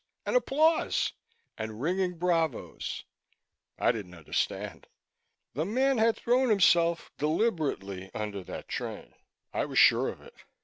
And applause, and ringing bravos! I didn't understand. The man had thrown himself deliberately under the train. I was sure of it.